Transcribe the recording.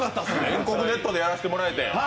全国ネットでやらせてもらって。